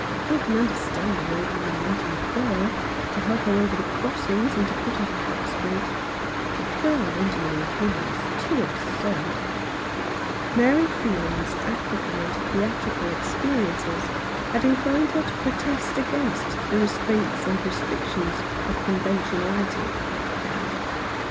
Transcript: One can understand an old woman wanting a girl — to help her over the crossings, and to put her cap straight. But a girl wanting an old woman is too absurd." Mary Freeland's African and theatrical ex periences had inclined her to protest against the restraints and restrictions of conventionality. 57 Rough Justice.